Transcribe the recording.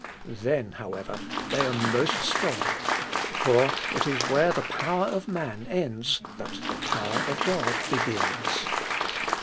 Then, however, they are most strong. For it is where the power of man ends that the power of God begins.